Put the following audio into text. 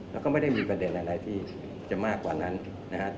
แล้วก็ไม่ได้มีประเด็นอะไรที่จะมากกว่านั้นนะครับ